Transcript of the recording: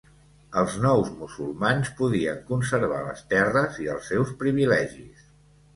Els nous musulmans podien conservar les terres i els seus privilegis.